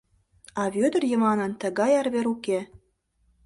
А Вӧдыр Йыванын тыгай арвер уке.